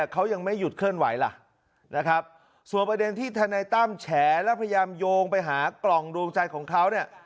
เขายังไม่หยุดเคลื่อนไหวล่ะนะครับส่วนประเด็นที่ธนายตั้มแฉแล้วพยายามโยงไปหากล่องดวงใจของเขาเนี่ย